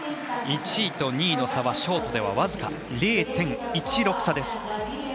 １位と２位の差はショートでは僅か０．１６差です。